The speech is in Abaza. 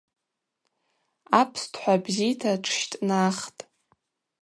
Апстхӏва бзита тшщтӏнахтӏ.